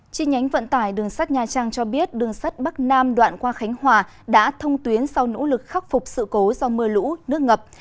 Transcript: trên nhánh vận tải đường sắt nha trang cho biết đường sắt bắc nam đoạn qua khánh hòa đã thông tuyến sau nỗ lực khắc phục sự cố do mưa lũ nước ngập